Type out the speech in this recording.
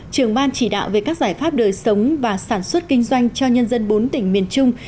trưởng ban chỉ đạo về các giải pháp đời sống và sản xuất kinh doanh cho nhân dân bốn tỉnh miền trung